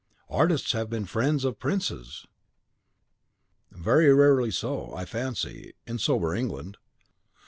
"Artists have been the friends of princes." "Very rarely so, I fancy, in sober England.